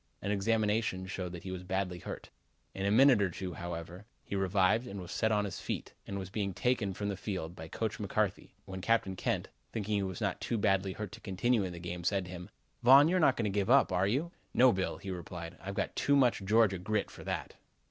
An examination showed that he was badly hurt. In a minute or two, however, he revived and was set on his feet and was being taken from the field by Coach McCarthy, when Captain Kent, thinking that he was not too badly hurt to continue in the game, said to him: "Von, you are not going to give up, are you?" "No, Bill," he replied, "I've got too much Georgia grit for that."